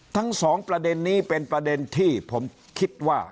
ทั้งสองประเด็นนี้เป็นประเด็นที่ผมคิดว่า